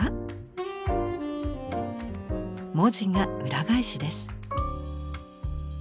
文字が裏返しです。